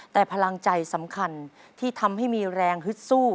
แต่พลังใจสำคัญที่ทำให้มีแรงฮึดสู้